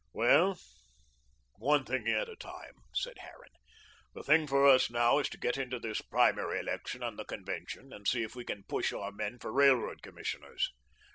"Well, one thing at a time," said Harran. "The thing for us now is to get into this primary election and the convention and see if we can push our men for Railroad Commissioners."